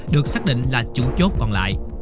được xác định là chủ chốt còn lại